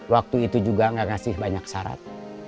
waktu itu juga gak ngasih banyak syarat